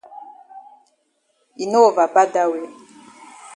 E no over bad dat way.